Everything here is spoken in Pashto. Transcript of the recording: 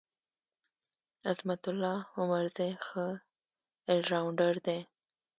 عظمت الله عمرزی ښه ال راونډر دی.